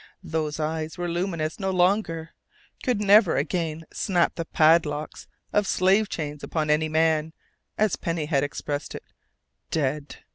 Those eyes were luminous no longer, could never again snap the padlocks of slave chains upon any man as Penny had expressed it.... Dead!